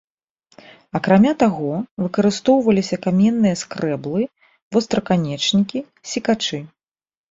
Акрамя таго, выкарыстоўваліся каменныя скрэблы, востраканечнікі, секачы.